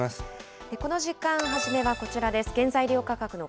この時間、初めはこちらです。